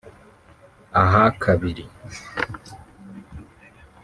Aha kabiri